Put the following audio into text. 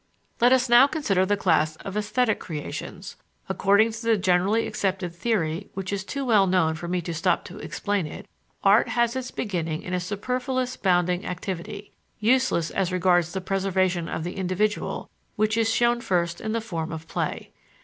Let us now consider the class of esthetic creations. According to the generally accepted theory which is too well known for me to stop to explain it, art has its beginning in a superfluous, bounding activity, useless as regards the preservation of the individual, which is shown first in the form of play.